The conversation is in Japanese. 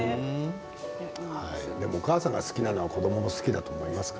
でもお母さんが好きなのは子どもも好きだと思いますよ。